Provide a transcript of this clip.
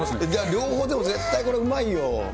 両方でも、絶対これ、うまいよ。